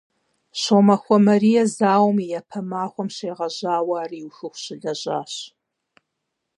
Щомахуэ Марие зауэм и япэ махуэм щегъэжьауэ ар иухыху щылэжьащ.